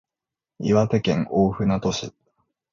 岩手県大船渡市